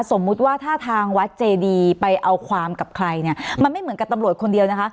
สมมุติว่าถ้าทางวัดเจดีไปเอาความกับใครเนี่ยมันไม่เหมือนกับตำรวจคนเดียวนะคะ